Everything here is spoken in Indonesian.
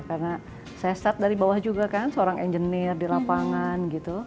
karena saya start dari bawah juga kan seorang engineer di lapangan gitu